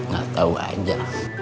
gak tau aja